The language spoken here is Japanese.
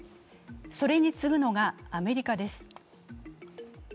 それに次ぐのがアメリカです。